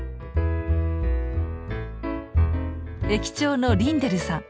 駅長のリンデルさん。